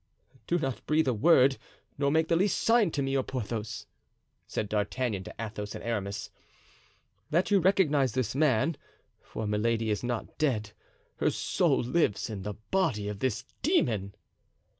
"Do not breathe a word nor make the least sign to me or Porthos," said D'Artagnan to Athos and Aramis, "that you recognize this man, for Milady is not dead; her soul lives in the body of this demon."